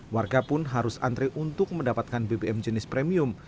warga pun harus antre untuk mendapatkan bbm jenis premium